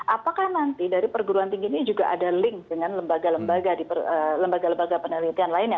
apakah nanti dari perguruan tinggi ini juga ada link dengan lembaga lembaga penelitian lainnya